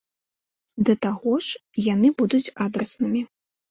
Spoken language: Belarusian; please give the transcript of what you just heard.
Да таго ж яны будуць адраснымі.